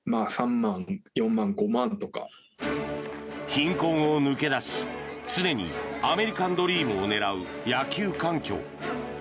貧困を抜け出し常にアメリカンドリームを狙う野球環境。